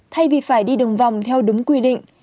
thay vì phải đi đường vòng theo đúng quy định